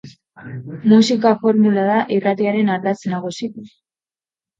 Musika formula da irratiaren ardatz nagusia.